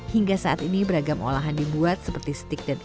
hingga saat ini beragam olahan dibuat seperti stik dan es